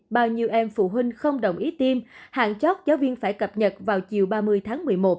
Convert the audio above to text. bao nhiêu em phụ huynh không đồng ý tiêm hàng chót giáo viên phải cập nhật vào chiều ba mươi tháng một mươi một